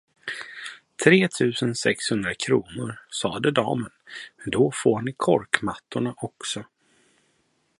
Tretusen sexhundra kronor, sade damen, men då får ni korkmattorna också.